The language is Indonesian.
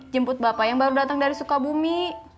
jemput bapak yang baru datang dari sukabumi